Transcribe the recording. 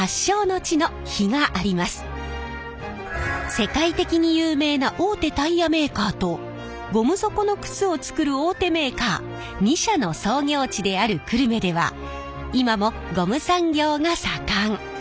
世界的に有名な大手タイヤメーカーとゴム底の靴を作る大手メーカー２社の創業地である久留米では今もゴム産業が盛ん。